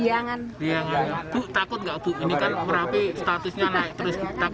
bu takut nggak bu ini kan merapi statusnya naik terus takut nggak